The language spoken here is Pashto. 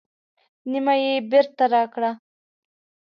نیمه یې بېرته راکړه.